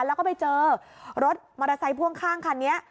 แล้วก็ไปเจอรถมอเตอร์ไซค์พ่วงข้างคันนี้